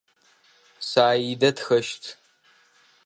Саидэ тхэщт.